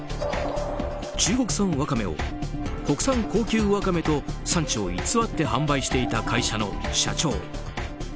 中国産ワカメを国産高級ワカメと産地を偽って販売していた会社の社長。